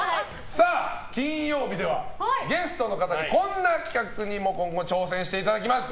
金曜日ではゲストの方にこんな企画に今後、挑戦していただきます。